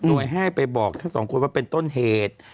โดยให้ไปบอกทั้งสองคนว่าเป็นต้นเหตุ